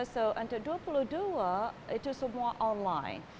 jadi untuk dua puluh dua itu semua online